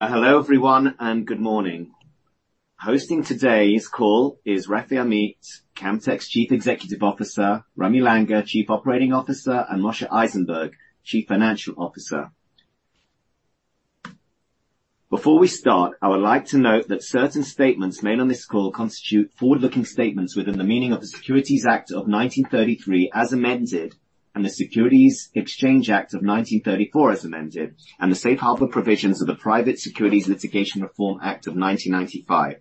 Hello everyone, and good morning. Hosting today's call is Rafi Amit, Camtek's Chief Executive Officer, Ramy Langer, Chief Operating Officer, and Moshe Eisenberg, Chief Financial Officer. Before we start, I would like to note that certain statements made on this call constitute forward-looking statements within the meaning of the Securities Act of 1933, as amended, and the Securities Exchange Act of 1934, as amended, and the safe harbor provisions of the Private Securities Litigation Reform Act of 1995.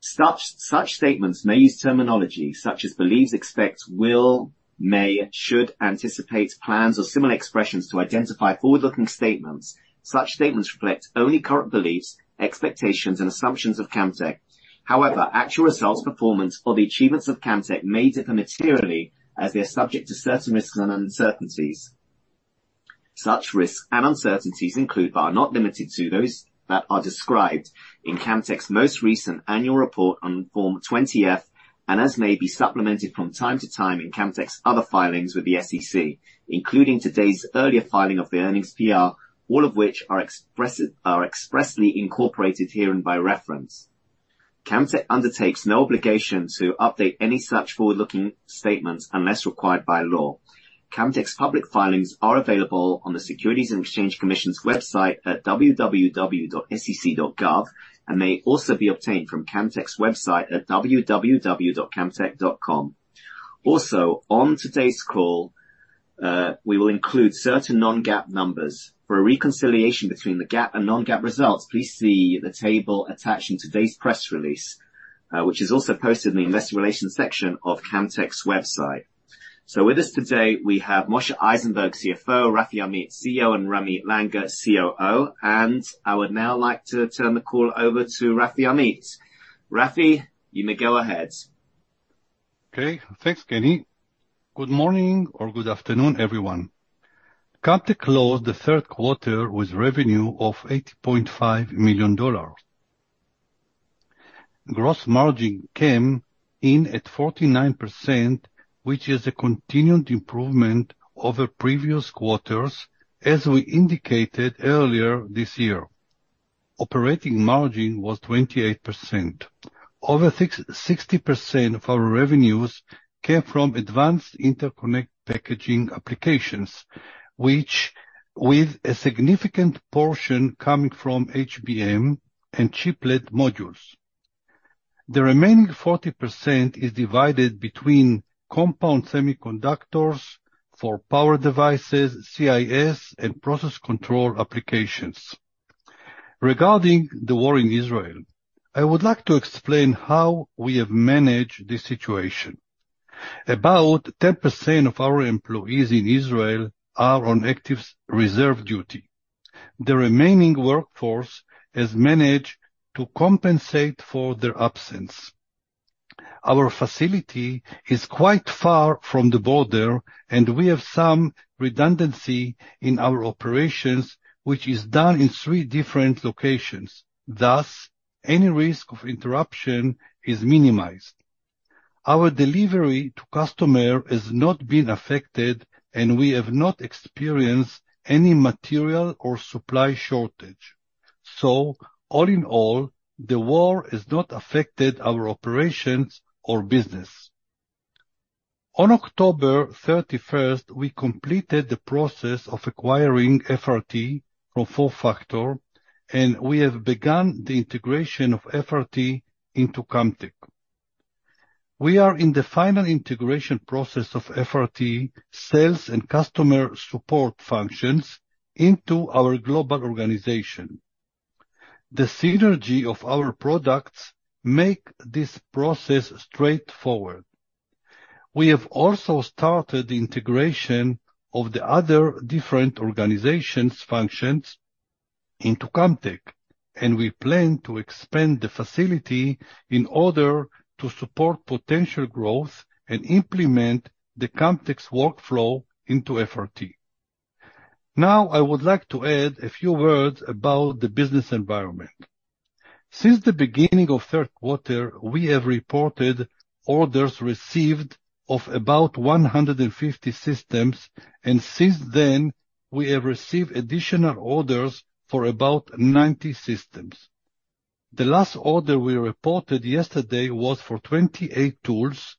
Such statements may use terminology such as believes, expects, will, may, should, anticipates, plans, or similar expressions to identify forward-looking statements. Such statements reflect only current beliefs, expectations, and assumptions of Camtek. However, actual results, performance, or the achievements of Camtek may differ materially as they are subject to certain risks and uncertainties. Such risks and uncertainties include, but are not limited to, those that are described in Camtek's most recent annual report on Form 20-F and as may be supplemented from time to time in Camtek's other filings with the SEC, including today's earlier filing of the earnings PR, all of which are expressed, are expressly incorporated herein by reference. Camtek undertakes no obligation to update any such forward-looking statements unless required by law. Camtek's public filings are available on the Securities and Exchange Commission's website at www.sec.gov, and may also be obtained from Camtek's website at www.camtek.com. Also, on today's call, we will include certain non-GAAP numbers. For a reconciliation between the GAAP and non-GAAP results, please see the table attached in today's press release, which is also posted in the investor relations section of Camtek's website. So with us today, we have Moshe Eisenberg, CFO, Rafi Amit, CEO, and Ramy Langer, COO, and I would now like to turn the call over to Rafi Amit. Rafi, you may go ahead. Okay. Thanks, Kenny. Good morning or good afternoon, everyone. Camtek closed the third quarter with revenue of $80.5 million. Gross margin came in at 49%, which is a continued improvement over previous quarters, as we indicated earlier this year. Operating margin was 28%. Over 60% of our revenues came from advanced interconnect packaging applications, which with a significant portion coming from HBM and chiplet modules. The remaining 40% is divided between compound semiconductors for power devices, CIS, and process control applications. Regarding the war in Israel, I would like to explain how we have managed this situation. About 10% of our employees in Israel are on active reserve duty. The remaining workforce has managed to compensate for their absence. Our facility is quite far from the border, and we have some redundancy in our operations, which is done in 3 different locations, thus, any risk of interruption is minimized. Our delivery to customer has not been affected, and we have not experienced any material or supply shortage. So all in all, the war has not affected our operations or business. On October 31st, we completed the process of acquiring FRT from FormFactor, and we have begun the integration of FRT into Camtek. We are in the final integration process of FRT sales and customer support functions into our global organization. The synergy of our products make this process straightforward. We have also started the integration of the other different organizations' functions into Camtek, and we plan to expand the facility in order to support potential growth and implement the Camtek's workflow into FRT. Now, I would like to add a few words about the business environment. Since the beginning of third quarter, we have reported orders received of about 150 systems, and since then, we have received additional orders for about 90 systems. The last order we reported yesterday was for 28 tools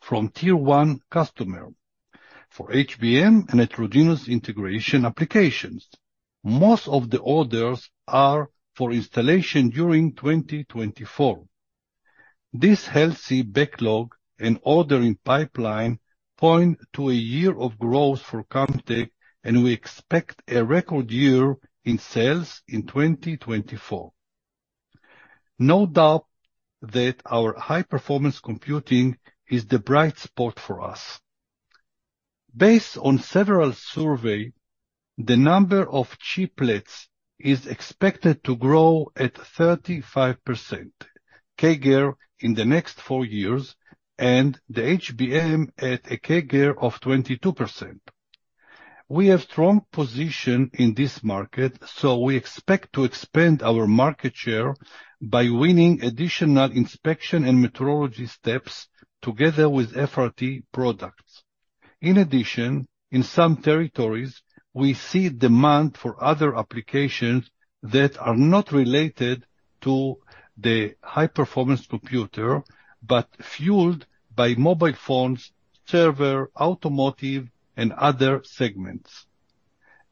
from Tier one customer for HBM and heterogeneous integration applications. Most of the orders are for installation during 2024. This healthy backlog and ordering pipeline point to a year of growth for Camtek, and we expect a record year in sales in 2024. No doubt that our high performance computing is the bright spot for us. Based on several survey, the number of chiplets is expected to grow at 35% CAGR in the next four years, and the HBM at a CAGR of 22%. We have strong position in this market, so we expect to expand our market share by winning additional inspection and metrology steps together with FRT products. In addition, in some territories, we see demand for other applications that are not related to the high performance computer, but fueled by mobile phones, server, automotive, and other segments.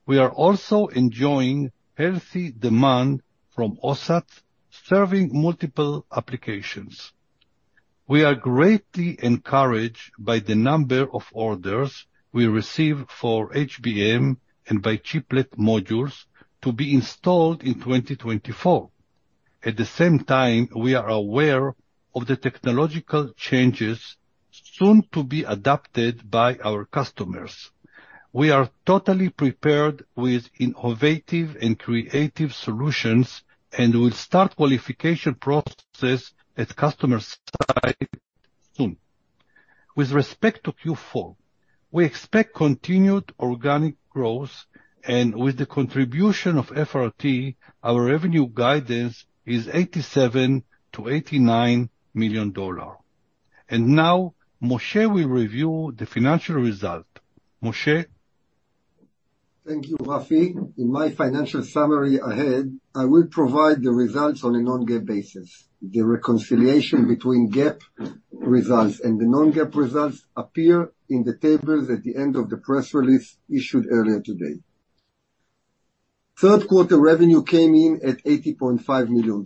We are also enjoying healthy demand from OSATs, serving multiple applications. We are greatly encouraged by the number of orders we receive for HBM and by Chiplet modules to be installed in 2024. At the same time, we are aware of the technological changes soon to be adopted by our customers. We are totally prepared with innovative and creative solutions, and we'll start qualification processes at customer site soon. With respect to Q4, we expect continued organic growth, and with the contribution of FRT, our revenue guidance is $87 million-$89 million. Now, Moshe will review the financial result. Moshe? Thank you, Rafi. In my financial summary ahead, I will provide the results on a non-GAAP basis. The reconciliation between GAAP results and the non-GAAP results appear in the tables at the end of the press release issued earlier today. Third quarter revenue came in at $80.5 million,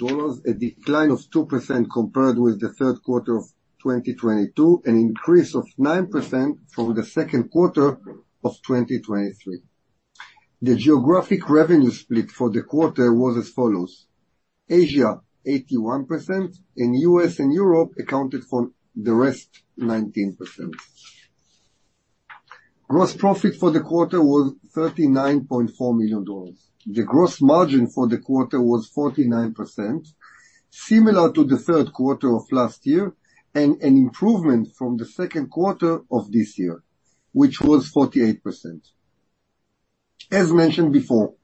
a decline of 2% compared with the third quarter of 2022, an increase of 9% from the second quarter of 2023. The geographic revenue split for the quarter was as follows: Asia, 81%, and US and Europe accounted for the rest, 19%. Gross profit for the quarter was $39.4 million. The gross margin for the quarter was 49%, similar to the third quarter of last year, and an improvement from the second quarter of this year, which was 48%. As mentioned before,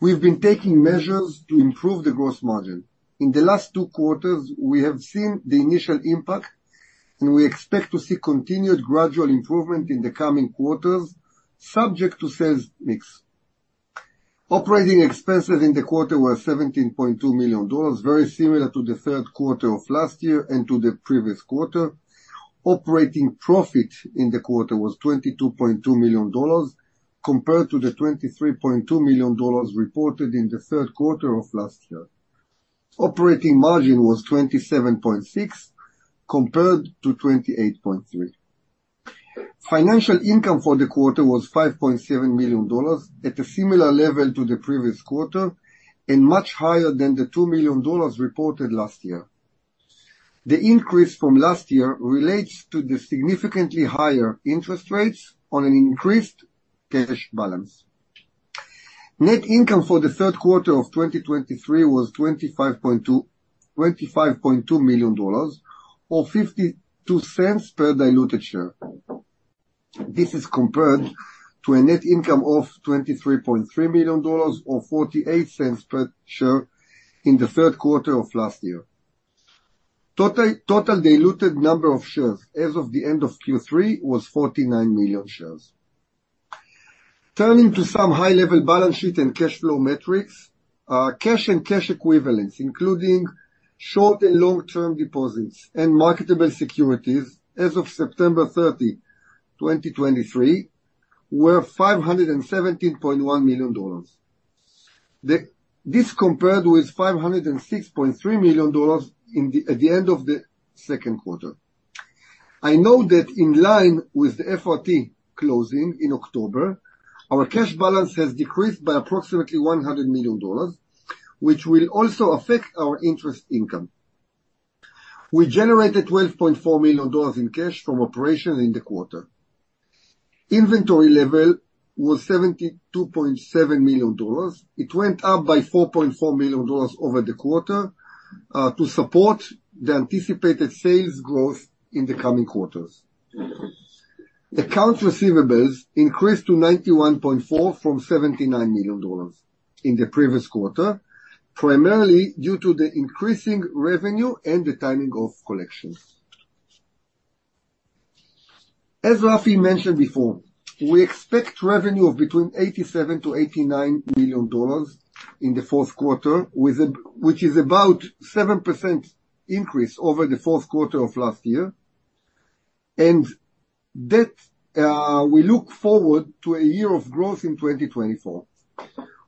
we've been taking measures to improve the gross margin. In the last two quarters, we have seen the initial impact, and we expect to see continued gradual improvement in the coming quarters, subject to sales mix. Operating expenses in the quarter were $17.2 million, very similar to the third quarter of last year and to the previous quarter. Operating profit in the quarter was $22.2 million, compared to the $23.2 million reported in the third quarter of last year. Operating margin was 27.6%, compared to 28.3%. Financial income for the quarter was $5.7 million, at a similar level to the previous quarter and much higher than the $2 million reported last year. The increase from last year relates to the significantly higher interest rates on an increased cash balance. Net income for the third quarter of 2023 was $25.2 million, or $0.52 per diluted share. This is compared to a net income of $23.3 million or $0.48 per share in the third quarter of last year. Total diluted number of shares as of the end of Q3 was 49 million shares. Turning to some high-level balance sheet and cash flow metrics. Cash and cash equivalents, including short and long-term deposits and marketable securities as of September 30, 2023, were $517.1 million. This compared with $506.3 million in the, at the end of the second quarter. I know that in line with the FRT closing in October, our cash balance has decreased by approximately $100 million, which will also affect our interest income. We generated $12.4 million in cash from operations in the quarter. Inventory level was $72.7 million. It went up by $4.4 million over the quarter to support the anticipated sales growth in the coming quarters. Accounts receivables increased to $91.4 from $79 million in the previous quarter, primarily due to the increasing revenue and the timing of collections. As Rafi mentioned before, we expect revenue of between $87-$89 million in the fourth quarter, which is about 7% increase over the fourth quarter of last year. And that, we look forward to a year of growth in 2024.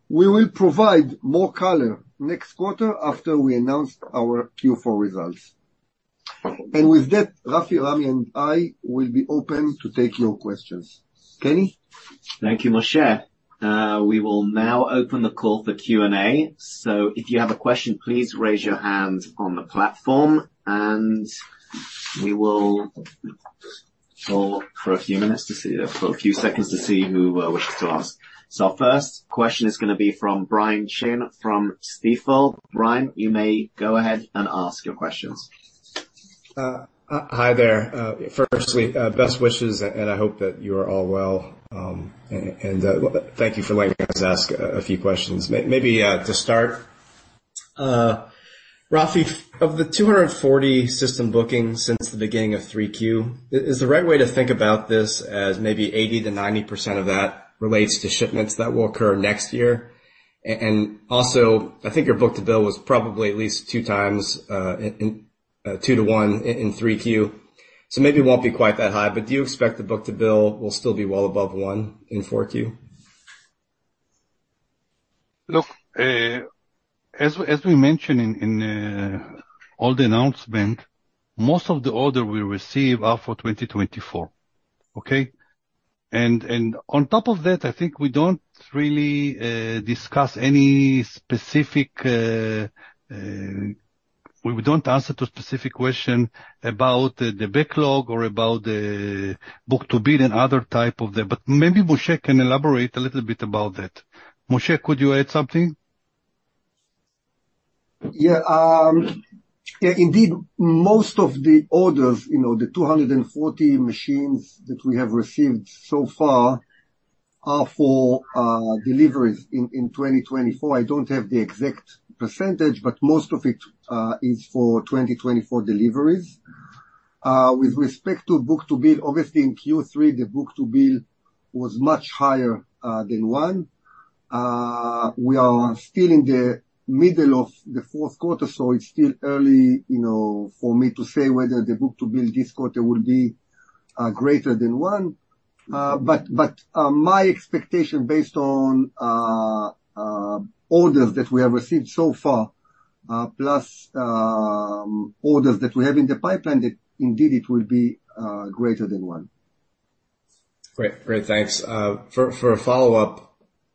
We will provide more color next quarter after we announce our Q4 results. With that, Rafi, Ramy, and I will be open to taking your questions. Kenny? Thank you, Moshe. We will now open the call for Q&A. So if you have a question, please raise your hand on the platform, and we will hold for a few minutes to see... For a few seconds to see who wishes to ask. So our first question is going to be from Brian Chin, from Stifel. Brian, you may go ahead and ask your questions. Hi there. Firstly, best wishes, and I hope that you are all well, and thank you for letting us ask a few questions. Maybe to start-... Rafi, of the 240 system bookings since the beginning of 3Q, is the right way to think about this as maybe 80%-90% of that relates to shipments that will occur next year? And also, I think your book-to-bill was probably at least 2 times in 2:1 in 3Q. So maybe it won't be quite that high, but do you expect the book-to-bill will still be well above 1 in 4Q? Look, as we mentioned in all the announcement, most of the order we receive are for 2024. Okay? And on top of that, I think we don't really discuss any specific, we don't answer to specific question about the backlog or about the book-to-bill and other type of that, but maybe Moshe can elaborate a little bit about that. Moshe, could you add something? Yeah, yeah, indeed, most of the orders, you know, the 240 machines that we have received so far are for deliveries in 2024. I don't have the exact percentage, but most of it is for 2024 deliveries. With respect to book-to-bill, obviously in Q3, the book-to-bill was much higher than one. We are still in the middle of the fourth quarter, so it's still early, you know, for me to say whether the book-to-bill this quarter will be greater than one. But my expectation, based on orders that we have received so far, plus orders that we have in the pipeline, that indeed it will be greater than one. Great. Great, thanks. For a follow-up,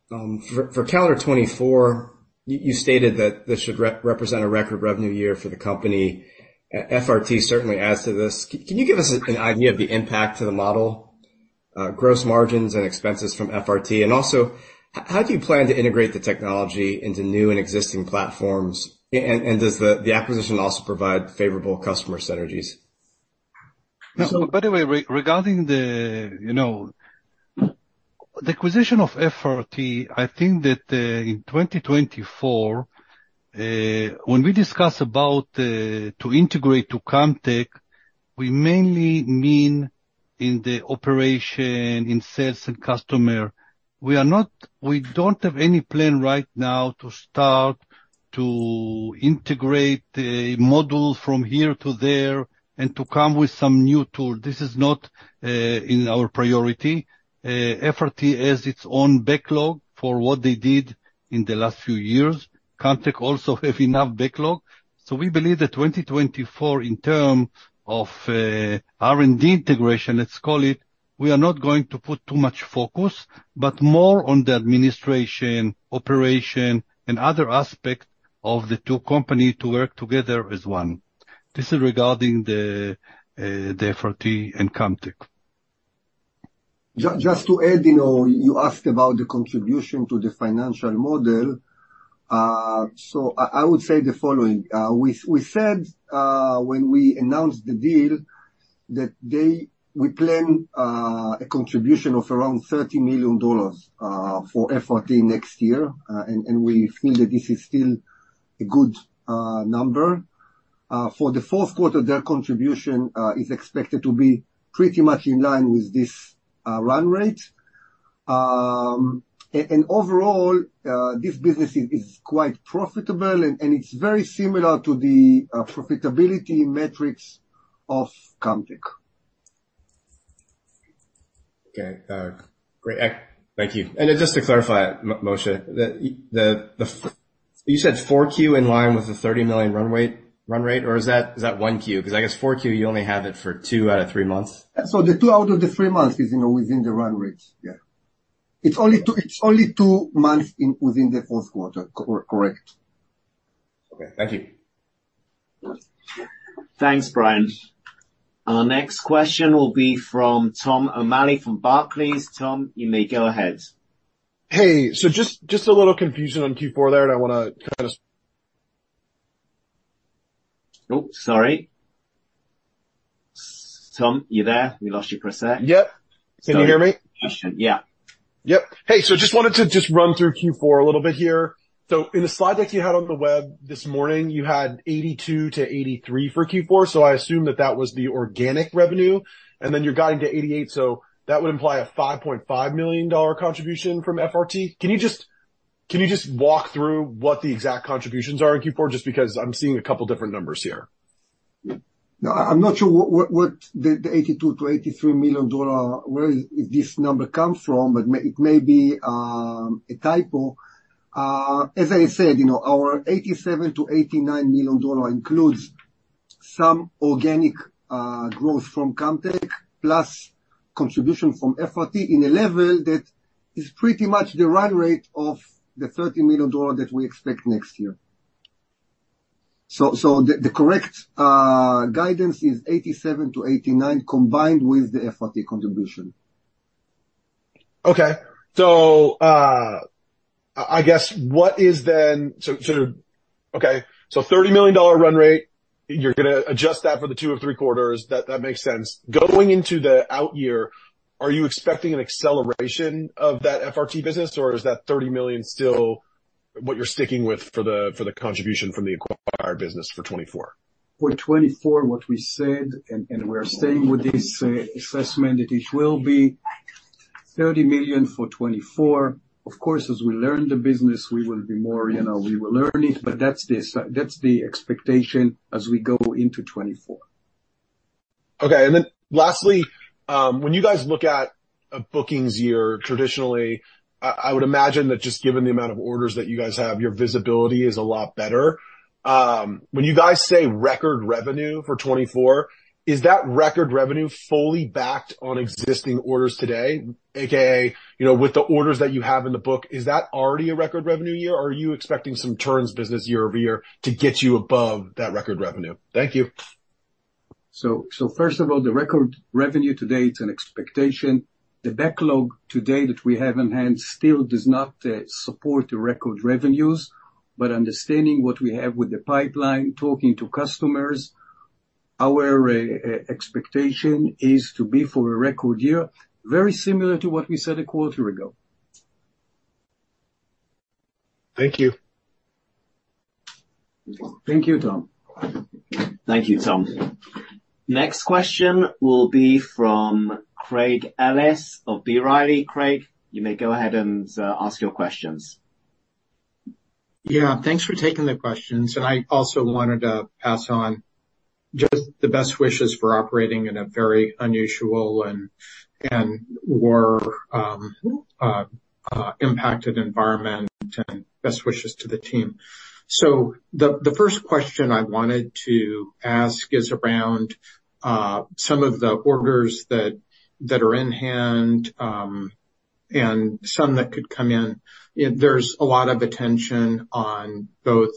for calendar 2024, you stated that this should represent a record revenue year for the company. FRT certainly adds to this. Can you give us an idea of the impact to the model, gross margins and expenses from FRT? And also, how do you plan to integrate the technology into new and existing platforms? And does the acquisition also provide favorable customer synergies? So by the way, regarding the, you know, the acquisition of FRT, I think that, in 2024, when we discuss about, to integrate to Camtek, we mainly mean in the operation, in sales and customer. We are not, we don't have any plan right now to start to integrate the modules from here to there and to come with some new tool. This is not, in our priority. FRT has its own backlog for what they did in the last few years. Camtek also have enough backlog. So we believe that 2024, in term of, R&D integration, let's call it, we are not going to put too much focus, but more on the administration, operation, and other aspects of the two company to work together as one. This is regarding the, the FRT and Camtek. Just to add, you know, you asked about the contribution to the financial model. So I would say the following. We said, when we announced the deal, that they... We plan a contribution of around $30 million for FRT next year, and we feel that this is still a good number. For the fourth quarter, their contribution is expected to be pretty much in line with this run rate. And overall, this business is quite profitable and it's very similar to the profitability metrics of Camtek. Okay. Great. Thank you. And just to clarify, Moshe, you said four Q in line with the $30 million run rate, run rate, or is that one Q? Because I guess four Q, you only have it for two out of three months. So the two out of the three months is, you know, within the run rate. Yeah. It's only two, it's only two months in within the fourth quarter. Correct. Okay, thank you. Thanks, Brian. Our next question will be from Tom O'Malley from Barclays. Tom, you may go ahead. Hey, so just a little confusion on Q4 there, and I wanna kind of- Oh, sorry. Tom, you there? We lost you for a sec. Yep. Can you hear me? Yeah. Yep. Hey, so just wanted to just run through Q4 a little bit here. So in the slide deck you had on the web this morning, you had 82-83 for Q4, so I assume that that was the organic revenue, and then you're guiding to 88, so that would imply a $5.5 million contribution from FRT. Can you just, can you just walk through what the exact contributions are in Q4? Just because I'm seeing a couple different numbers here. No, I'm not sure what the $82 million-$83 million, where this number comes from, but it may be a typo. As I said, you know, our $87 million-$89 million includes some organic growth from Camtek, plus contribution from FRT in a level that is pretty much the run rate of the $30 million that we expect next year. So the correct guidance is $87 million-$89 million, combined with the FRT contribution. Okay. So, I guess what is then. So, okay, so $30 million dollar run rate... You're gonna adjust that for the two or three quarters. That makes sense. Going into the out year, are you expecting an acceleration of that FRT business, or is that $30 million still what you're sticking with for the contribution from the acquired business for 2024? For 2024, what we said, and we're staying with this assessment, that it will be $30 million for 2024. Of course, as we learn the business, we will be more, you know, we will learn it, but that's this, that's the expectation as we go into 2024. Okay. And then lastly, when you guys look at a bookings year, traditionally, I would imagine that just given the amount of orders that you guys have, your visibility is a lot better. When you guys say record revenue for 2024, is that record revenue fully backed on existing orders today? AKA, you know, with the orders that you have in the book, is that already a record revenue year, or are you expecting some turns business year-over-year to get you above that record revenue? Thank you. So, first of all, the record revenue today, it's an expectation. The backlog today that we have in hand still does not support the record revenues, but understanding what we have with the pipeline, talking to customers, our expectation is to be for a record year, very similar to what we said a quarter ago. Thank you. Thank you, Tom. Thank you, Tom. Next question will be from Craig Ellis of B. Riley. Craig, you may go ahead and ask your questions. Yeah, thanks for taking the questions. And I also wanted to pass on just the best wishes for operating in a very unusual and war impacted environment, and best wishes to the team. So the first question I wanted to ask is around some of the orders that are in hand, and some that could come in. There's a lot of attention on both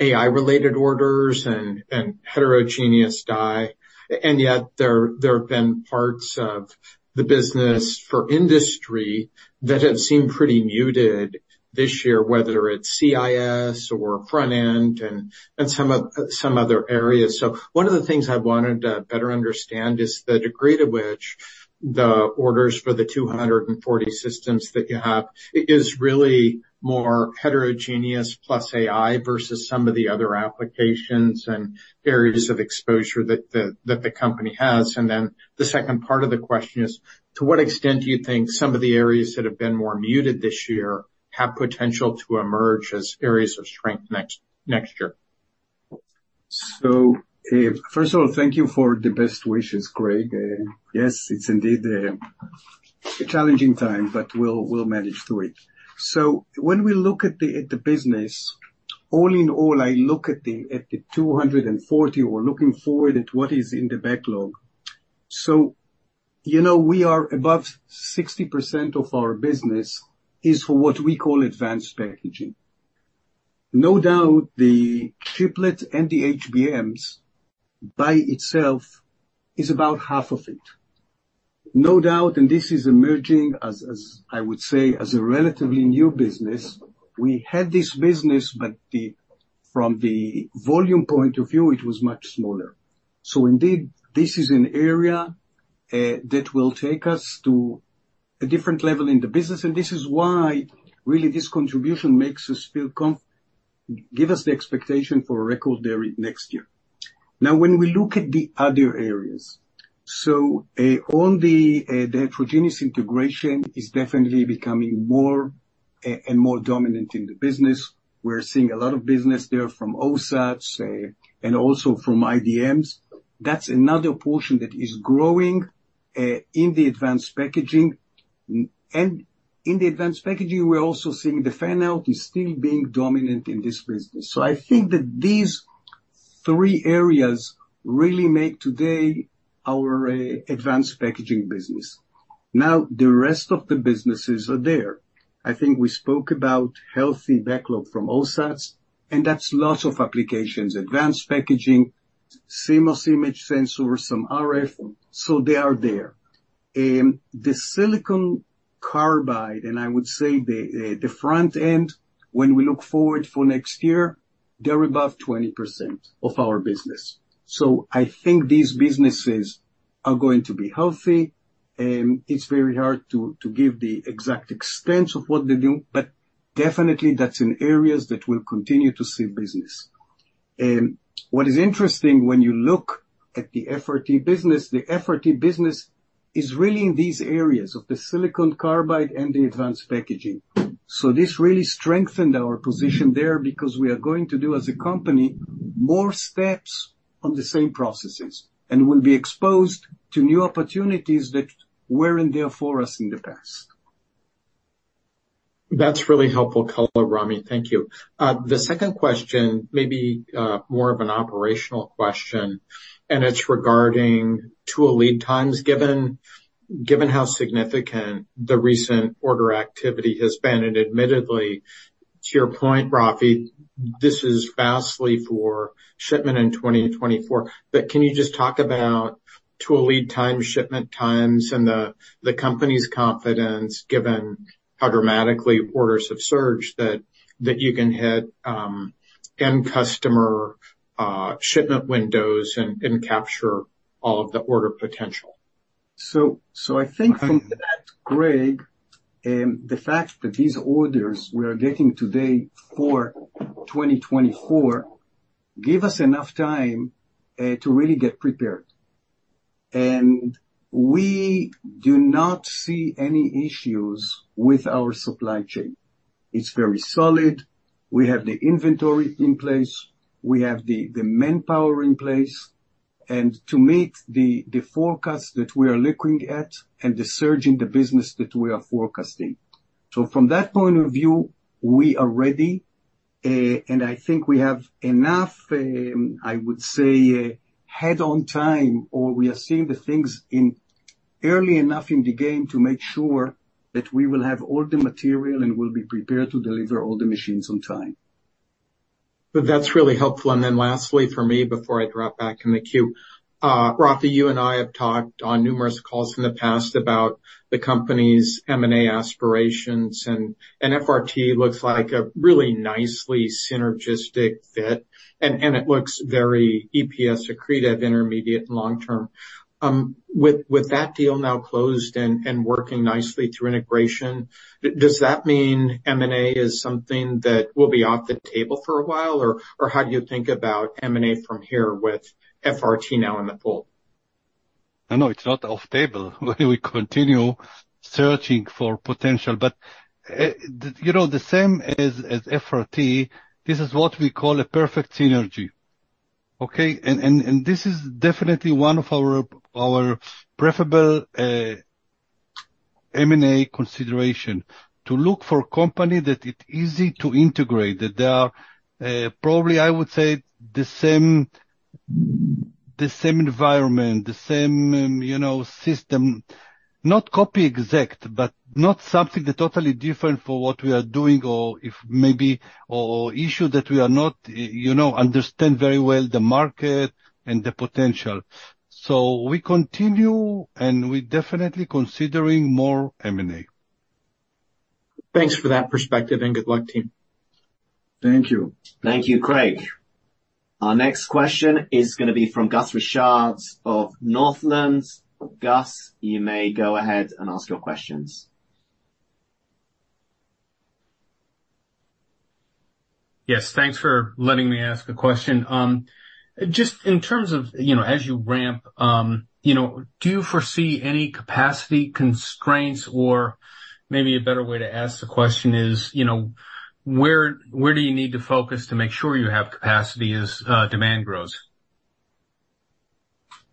AI-related orders and heterogeneous die, and yet there have been parts of the business for industry that have seemed pretty muted this year, whether it's CIS or front end and some other areas. So one of the things I wanted to better understand is the degree to which the orders for the 240 systems that you have is really more heterogeneous plus AI versus some of the other applications and areas of exposure that the company has. And then the second part of the question is: to what extent do you think some of the areas that have been more muted this year have potential to emerge as areas of strength next year? So, first of all, thank you for the best wishes, Craig. Yes, it's indeed a challenging time, but we'll manage through it. So when we look at the business, all in all, I look at the 240 or looking forward at what is in the backlog. So, you know, we are above 60% of our business is for what we call advanced packaging. No doubt, the chiplet and the HBMs by itself is about half of it. No doubt, and this is emerging as I would say, a relatively new business. We had this business, but from the volume point of view, it was much smaller. So indeed, this is an area that will take us to a different level in the business, and this is why, really, this contribution makes us feel confident, give us the expectation for a record there next year. Now, when we look at the other areas, the Heterogeneous Integration is definitely becoming more and more dominant in the business. We're seeing a lot of business there from OSATs and also from IDMs. That's another portion that is growing in the advanced packaging. And in the advanced packaging, we're also seeing the fan-out is still being dominant in this business. So I think that these three areas really make today our advanced packaging business. Now, the rest of the businesses are there. I think we spoke about healthy backlog from OSATs, and that's lots of applications, advanced packaging, CMOS image sensor, some RF, so they are there. The silicon carbide, and I would say the front end, when we look forward for next year, they're above 20% of our business. So I think these businesses are going to be healthy, it's very hard to give the exact extents of what they do, but definitely that's in areas that we'll continue to see business. What is interesting when you look at the FRT business, the FRT business is really in these areas of the silicon carbide and the advanced packaging. So this really strengthened our position there because we are going to do, as a company, more steps on the same processes, and we'll be exposed to new opportunities that weren't there for us in the past. That's really helpful, Ramy. Thank you. The second question may be more of an operational question, and it's regarding tool lead times. Given how significant the recent order activity has been, and admittedly, to your point, Rafi, this is vastly for shipment in 2024. But can you just talk about tool lead time, shipment times, and the company's confidence, given how dramatically orders have surged, that you can hit end customer shipment windows and capture all of the order potential?... So, so I think from that, Craig, the fact that these orders we are getting today for 2024, give us enough time, to really get prepared. And we do not see any issues with our supply chain. It's very solid. We have the inventory in place, we have the manpower in place, and to meet the forecast that we are looking at and the surge in the business that we are forecasting. So from that point of view, we are ready, and I think we have enough, I would say, head on time, or we are seeing the things in early enough in the game to make sure that we will have all the material and we'll be prepared to deliver all the machines on time. But that's really helpful. And then lastly, for me, before I drop back in the queue, Rafi, you and I have talked on numerous calls in the past about the company's M&A aspirations, and FRT looks like a really nicely synergistic fit, and it looks very EPS accretive, intermediate and long term. With that deal now closed and working nicely through integration, does that mean M&A is something that will be off the table for a while? Or how do you think about M&A from here with FRT now in the pool? No, no, it's not off table. We continue searching for potential, but you know, the same as FRT, this is what we call a perfect synergy, okay? And, and this is definitely one of our preferable M&A consideration, to look for a company that it's easy to integrate, that they are probably, I would say, the same, the same environment, the same, you know, system. Not copy exact, but not something that totally different for what we are doing or if maybe issue that we are not, you know, understand very well the market and the potential. So we continue, and we're definitely considering more M&A. Thanks for that perspective, and good luck, team. Thank you. Thank you, Craig. Our next question is gonna be from Gus Richard of Northland. Gus, you may go ahead and ask your questions. Yes, thanks for letting me ask a question. Just in terms of, you know, as you ramp, you know, do you foresee any capacity constraints or maybe a better way to ask the question is, you know, where, where do you need to focus to make sure you have capacity as demand grows?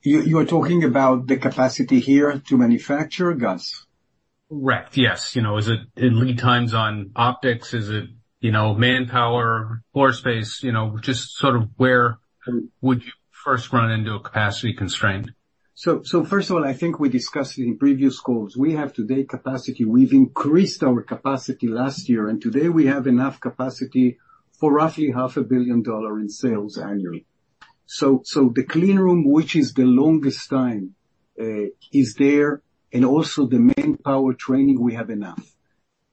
You, you're talking about the capacity here to manufacture, Gus? Right. Yes. You know, is it in lead times on optics? Is it, you know, manpower, floor space? You know, just sort of where would you first run into a capacity constraint? So first of all, I think we discussed in previous calls, we have today capacity. We've increased our capacity last year, and today we have enough capacity for roughly $500 million in sales annually. So the clean room, which is the longest time, is there, and also the manpower training, we have enough.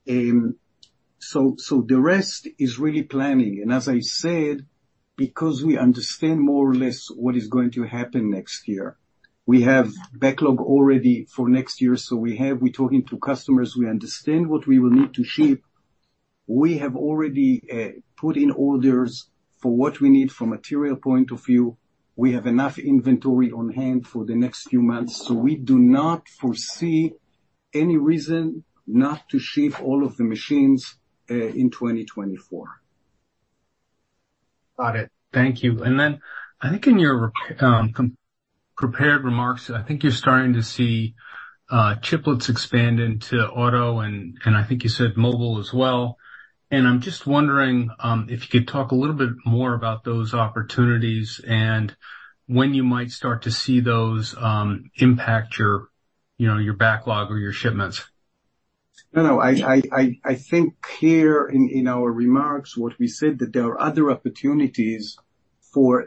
So the rest is really planning, and as I said, because we understand more or less what is going to happen next year, we have backlog already for next year, so we have... We're talking to customers, we understand what we will need to ship. We have already put in orders for what we need from material point of view. We have enough inventory on hand for the next few months, so we do not foresee any reason not to ship all of the machines in 2024. Got it. Thank you. And then I think in your prepared remarks, I think you're starting to see chiplets expand into auto, and I think you said mobile as well. And I'm just wondering if you could talk a little bit more about those opportunities and when you might start to see those impact your, you know, your backlog or your shipments? No, I think here in our remarks, what we said, that there are other opportunities for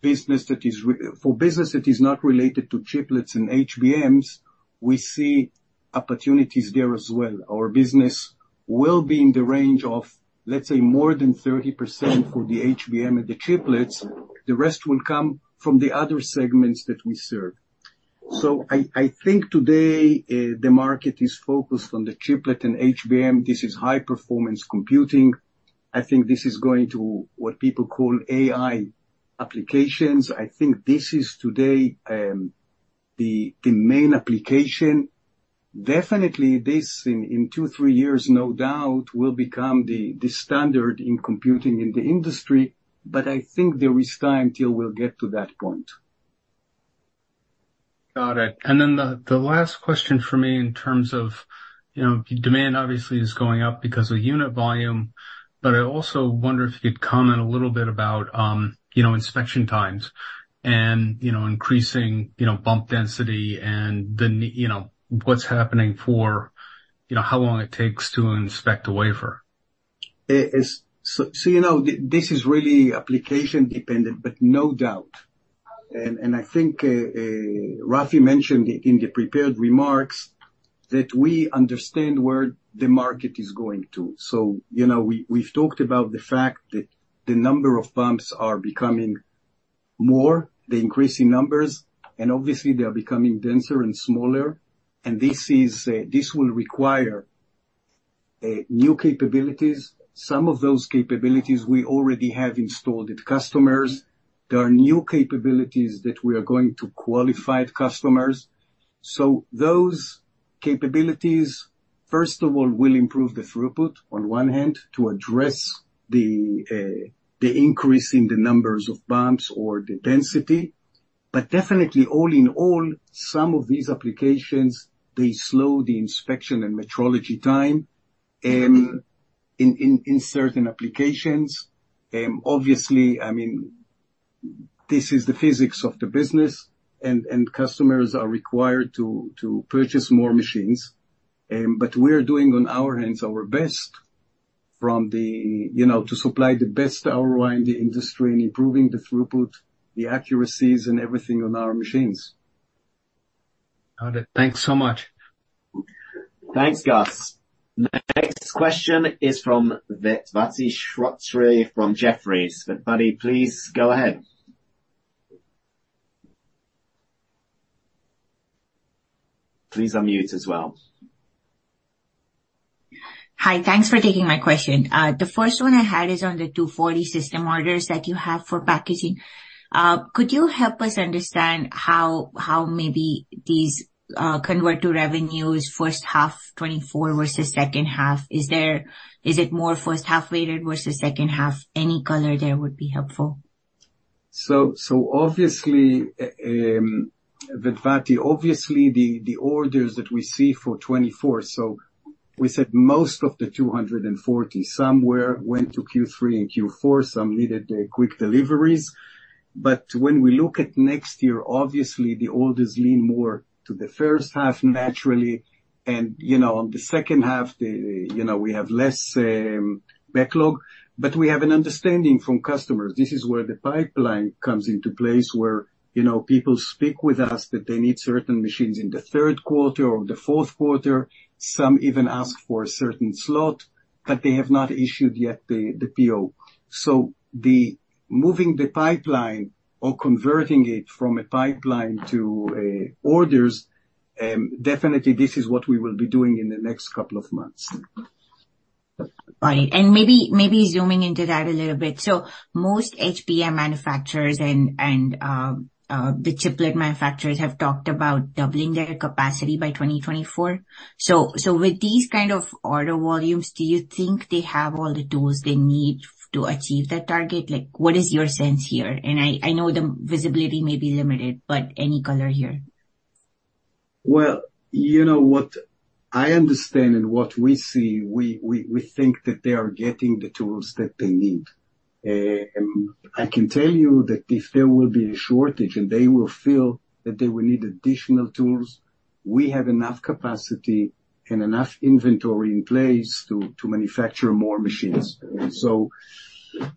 business that is not related to chiplets and HBMs, we see opportunities there as well. Our business will be in the range of, let's say, more than 30% for the HBM and the chiplets. The rest will come from the other segments that we serve. So I think today, the market is focused on the chiplet and HBM. This is high performance computing. I think this is going to, what people call AI applications. I think this is today, the main application. Definitely, this in two, three years, no doubt, will become the standard in computing in the industry, but I think there is time until we'll get to that point. Got it. And then the last question for me in terms of, you know, demand obviously is going up because of unit volume, but I also wonder if you could comment a little bit about, you know, inspection times and, you know, increasing, you know, bump density and you know, what's happening for, you know, how long it takes to inspect a wafer. You know, this is really application dependent, but no doubt, and I think Rafi mentioned in the prepared remarks that we understand where the market is going to. So, you know, we've talked about the fact that the number of bumps are becoming more, they're increasing numbers, and obviously they are becoming denser and smaller. And this will require new capabilities. Some of those capabilities we already have installed at customers. There are new capabilities that we are going to qualify at customers. So those capabilities, first of all, will improve the throughput on one hand, to address the increase in the numbers of bumps or the density. But definitely, all in all, some of these applications, they slow the inspection and metrology time in certain applications. Obviously, I mean, this is the physics of the business and customers are required to purchase more machines. But we're doing on our hands, our best from the, you know, to supply the best ROI in the industry and improving the throughput, the accuracies and everything on our machines. Got it. Thanks so much. Thanks, Gus. Next question is from Vedvati Shrotre from Jefferies. Vati, please go ahead. Please unmute as well. Hi, thanks for taking my question. The first one I had is on the 240 system orders that you have for packaging. Could you help us understand how these convert to revenues first half 2024 versus second half? Is it more first half weighted versus second half? Any color there would be helpful. So, obviously, Vedvati, obviously the orders that we see for 2024, so we said most of the 240, some went to Q3 and Q4, some needed quick deliveries. But when we look at next year, obviously the orders lean more to the first half, naturally, and, you know, on the second half, you know, we have less backlog, but we have an understanding from customers. This is where the pipeline comes into place, where, you know, people speak with us that they need certain machines in the third quarter or the fourth quarter. Some even ask for a certain slot, but they have not issued yet the PO. So moving the pipeline or converting it from a pipeline to orders, definitely this is what we will be doing in the next couple of months. Got it. And maybe zooming into that a little bit. So most HBM manufacturers and the chiplet manufacturers have talked about doubling their capacity by 2024. So with these kind of order volumes, do you think they have all the tools they need to achieve that target? Like, what is your sense here? And I know the visibility may be limited, but any color here? Well, you know what I understand and what we see, we think that they are getting the tools that they need. And I can tell you that if there will be a shortage and they will feel that they will need additional tools, we have enough capacity and enough inventory in place to manufacture more machines. So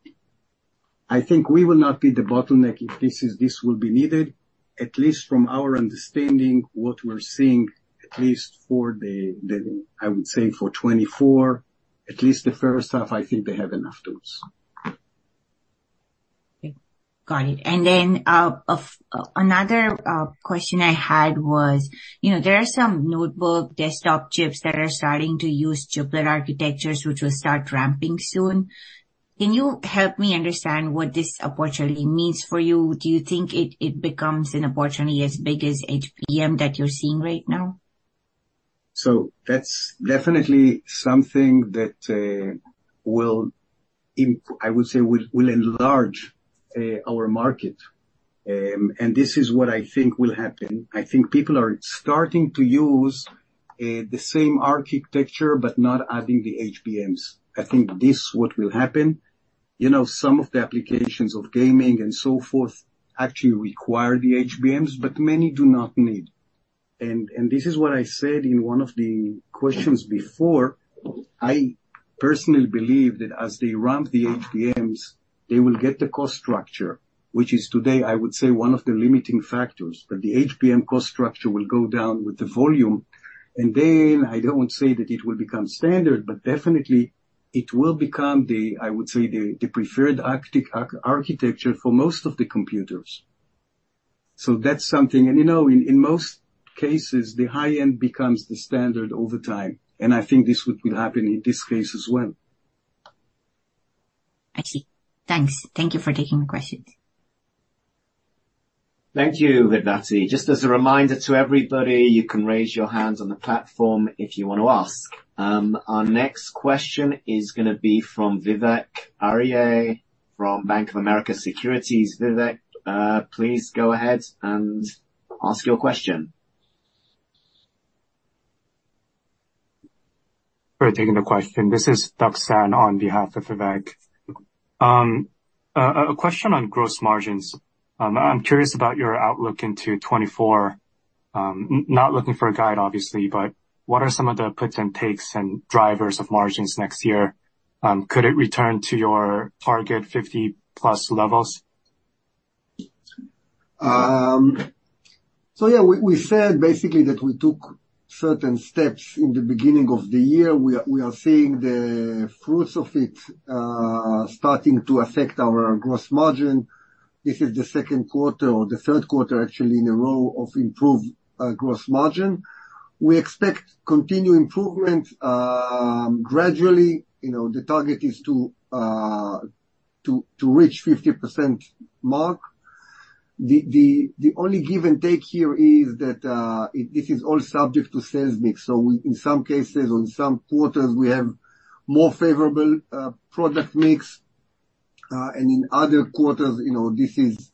I think we will not be the bottleneck if this is, this will be needed, at least from our understanding, what we're seeing, at least for the, I would say for 2024, at least the first half, I think they have enough tools. Got it. And then, another question I had was, you know, there are some notebook desktop chips that are starting to use chiplet architectures, which will start ramping soon. Can you help me understand what this opportunity means for you? Do you think it becomes an opportunity as big as HBM that you're seeing right now? So that's definitely something that, I would say, will, will enlarge our market. And this is what I think will happen. I think people are starting to use the same architecture, but not adding the HBMs. I think this what will happen. You know, some of the applications of gaming and so forth actually require the HBMs, but many do not need. And this is what I said in one of the questions before, I personally believe that as they ramp the HBMs, they will get the cost structure, which is today, I would say, one of the limiting factors. That the HBM cost structure will go down with the volume, and then I don't want to say that it will become standard, but definitely it will become the, I would say, the preferred architecture for most of the computers. So that's something. And you know, in, in most cases, the high end becomes the standard over time, and I think this will happen in this case as well. I see. Thanks. Thank you for taking the questions. Thank you, Vedvati. Just as a reminder to everybody, you can raise your hands on the platform if you want to ask. Our next question is gonna be from Vivek Arya, from Bank of America Securities. Vivek, please go ahead and ask your question. For taking the question. This is Duksan on behalf of Vivek. A question on gross margins. I'm curious about your outlook into 2024. Not looking for a guide, obviously, but what are some of the puts and takes and drivers of margins next year? Could it return to your target 50+ levels?... So yeah, we said basically that we took certain steps in the beginning of the year. We are seeing the fruits of it starting to affect our gross margin. This is the second quarter, or the third quarter, actually, in a row of improved gross margin. We expect continued improvement gradually. You know, the target is to reach 50% mark. The only give and take here is that this is all subject to sales mix. So in some cases, on some quarters, we have more favorable product mix and in other quarters, you know, this is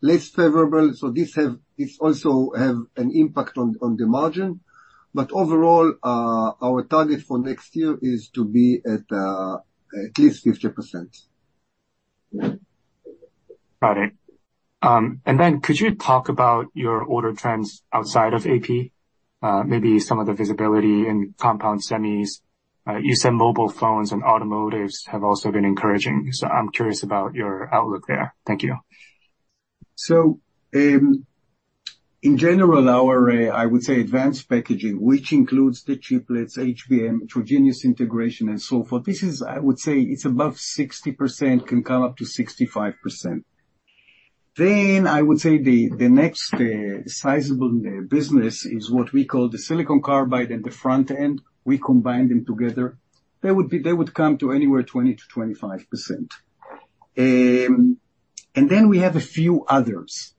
less favorable. So this have—this also have an impact on the margin. But overall, our target for next year is to be at least 50%. Got it. And then could you talk about your order trends outside of AP? Maybe some of the visibility in compound semis. You said mobile phones and automotives have also been encouraging, so I'm curious about your outlook there. Thank you. So, in general, our advanced packaging, which includes the chiplets, HBM, heterogeneous integration, and so forth, this is. I would say it's above 60%, can come up to 65%. Then, I would say the next sizable business is what we call the silicon carbide and the front end. We combine them together. They would come to anywhere, 20%-25%. And then we have a few others.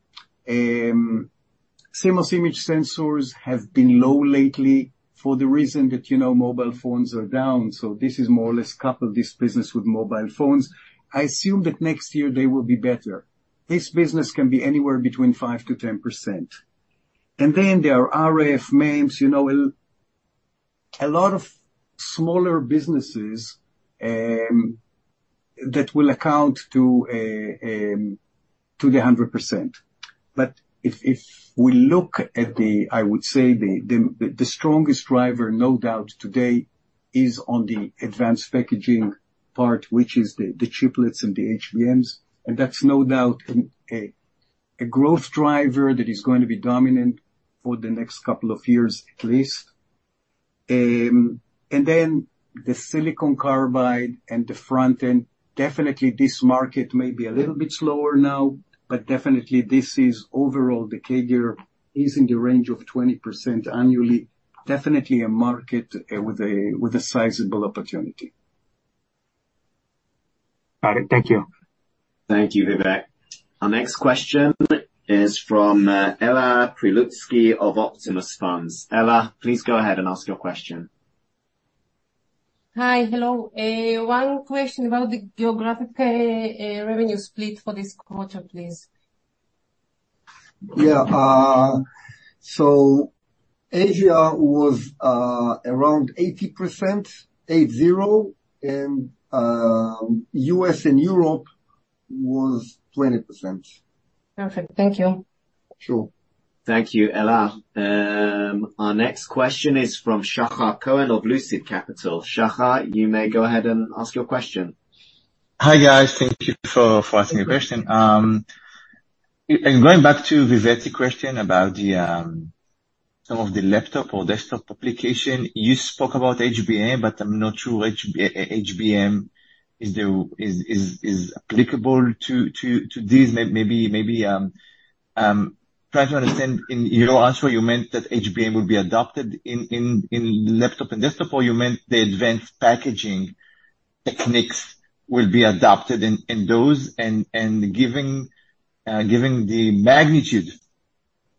CMOS image sensors have been low lately for the reason that, you know, mobile phones are down, so this is more or less coupled, this business, with mobile phones. I assume that next year they will be better. This business can be anywhere between 5%-10%. And then there are RF MEMS, you know, a lot of smaller businesses that will account to the 100%. But if we look at the... I would say, the strongest driver, no doubt, today, is on the advanced packaging part, which is the chiplets and the HBMs, and that's no doubt a growth driver that is going to be dominant for the next couple of years, at least. And then the silicon carbide and the front end, definitely this market may be a little bit slower now, but definitely this is overall, the CAGR is in the range of 20% annually. Definitely a market with a sizable opportunity. Got it. Thank you. Thank you, Vivek. Our next question is from Ella Prelutsky of Optimus Funds. Ella, please go ahead and ask your question. Hi. Hello. One question about the geographic revenue split for this quarter, please. Yeah, so Asia was around 80%, 80, and U.S. and Europe was 20%. Perfect. Thank you. Sure. Thank you, Ella. Our next question is from Shahar Cohen of Lucid Capital. Shachar, you may go ahead and ask your question. Hi, guys. Thank you for asking the question. In going back to Vivek's question about the some of the laptop or desktop application, you spoke about HBM, but I'm not sure HBM is applicable to this. Maybe try to understand in your answer, you meant that HBM will be adopted in laptop and desktop, or you meant the advanced packaging techniques will be adopted in those, and giving the magnitude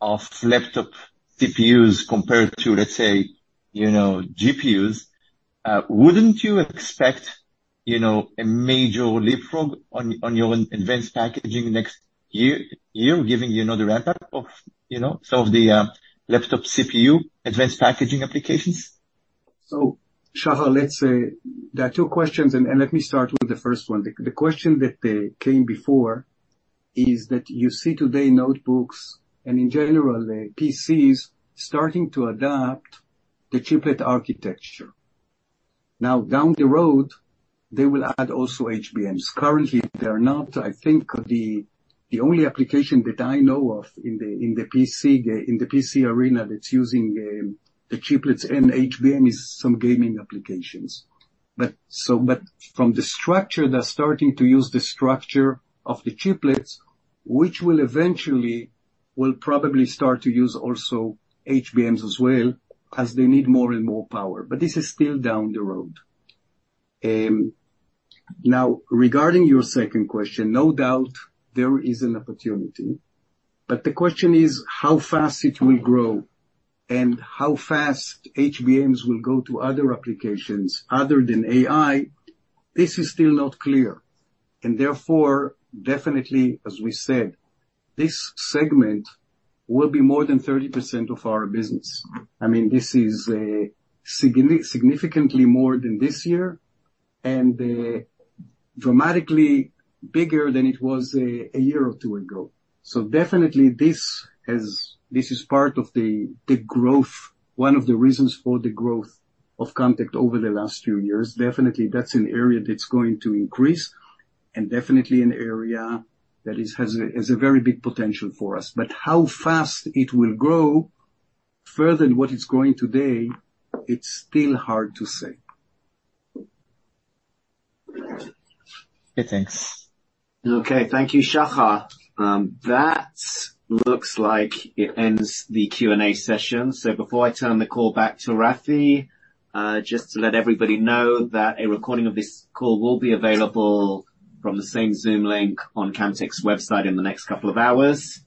of laptop CPUs compared to, let's say, you know, GPUs, wouldn't you expect, you know, a major leapfrog on your advanced packaging next year, giving, you know, the ramp-up of, you know, some of the laptop CPU advanced packaging applications? So, Shahar, let's say there are two questions, and let me start with the first one. The question that came before is that you see today notebooks, and in general, PCs, starting to adopt the chiplet architecture. Now, down the road, they will add also HBMs. Currently, they are not. I think the only application that I know of in the PC arena, that's using the chiplets and HBM is some gaming applications. But from the structure, they're starting to use the structure of the chiplets, which will eventually probably start to use also HBMs as well, as they need more and more power. But this is still down the road. Now, regarding your second question, no doubt there is an opportunity, but the question is how fast it will grow and how fast HBMs will go to other applications other than AI. This is still not clear, and therefore, definitely, as we said, this segment will be more than 30% of our business. I mean, this is significantly more than this year and dramatically bigger than it was a year or two ago. So definitely this has... this is part of the growth, one of the reasons for the growth of contact over the last few years. Definitely, that's an area that's going to increase and definitely an area that is has a very big potential for us. But how fast it will grow further than what it's growing today, it's still hard to say. Okay, thanks. Okay. Thank you, Shahar. That looks like it ends the Q&A session. So before I turn the call back to Rafi, just to let everybody know that a recording of this call will be available from the same Zoom link on Camtek's website in the next couple of hours.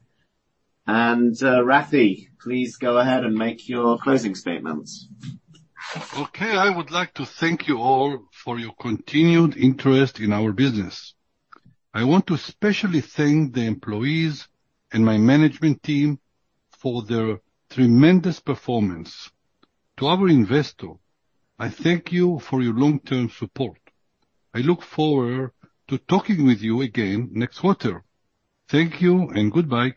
And, Rafi, please go ahead and make your closing statements. Okay. I would like to thank you all for your continued interest in our business. I want to especially thank the employees and my management team for their tremendous performance. To our investor, I thank you for your long-term support. I look forward to talking with you again next quarter. Thank you and goodbye.